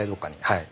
はい。